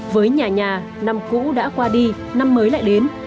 với nhà nhà năm cũ đã qua đi năm mới lại đến